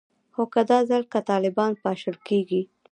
خو که دا ځل که طالبان پاشل کیږي